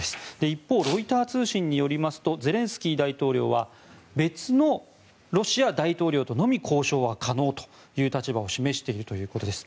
一方、ロイター通信によりますとゼレンスキー大統領は別のロシア大統領とのみ交渉は可能という立場を示しているということです。